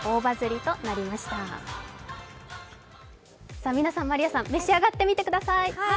みなさん、まりあさん召し上がってみてください。